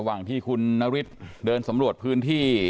ระหว่างที่คุณนฤทธิ์เดินสำรวจพื้นที่